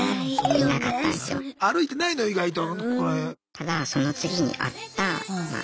ただその次に会ったまあ